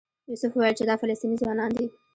یوسف وویل چې دا فلسطینی ځوانان دي.